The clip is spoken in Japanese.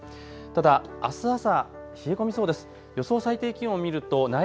ただ、あす朝、冷え込みそうです。